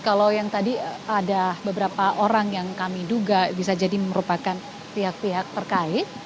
kalau yang tadi ada beberapa orang yang kami duga bisa jadi merupakan pihak pihak terkait